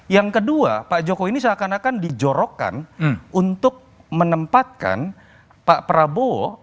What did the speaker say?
yang kedua pak jokowi ini seakan akan dijorokkan untuk menempatkan pak prabowo